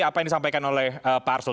apa yang disampaikan oleh pak arsul